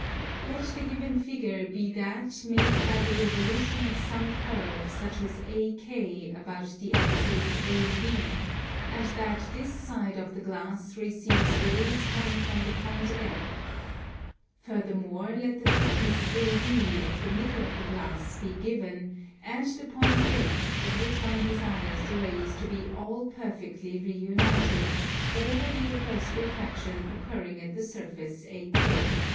Let the given figure be that made by the revolution of some curve such as AK about the axis AV, and that this side of the glass receives rays coming from the point L. Furthermore, let the thickness AB of the middle of the glass be given, and the point F at which one desires the rays to be all perfectly reunited, whatever be the first refraction occurring at the surface AK.